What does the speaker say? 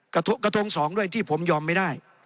กระทงสองด้วยที่ผมยอมไม่ได้